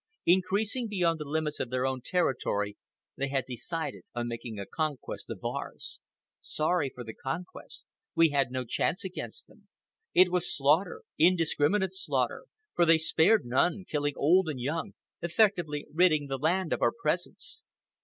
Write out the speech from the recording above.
Increasing beyond the limits of their own territory, they had decided on making a conquest of ours. Sorry the conquest! We had no chance against them. It was slaughter, indiscriminate slaughter, for they spared none, killing old and young, effectively ridding the land of our presence.